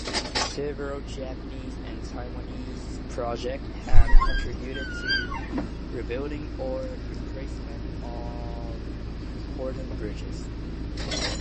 Several Japanese and Taiwanese projects have contributed to rebuilding or replacement of important bridges.